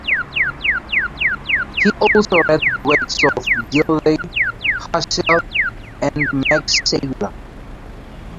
He also read the works of Dilthey, Husserl, and Max Scheler.